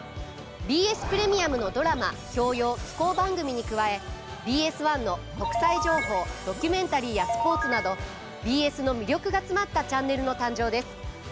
ＢＳプレミアムのドラマ教養紀行番組に加えＢＳ１の国際情報ドキュメンタリーやスポーツなどＢＳの魅力が詰まったチャンネルの誕生です。